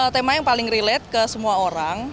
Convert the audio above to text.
tema yang paling relate ke semua orang